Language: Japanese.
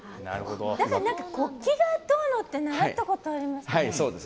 だから国旗がどうのって習ったことありますね。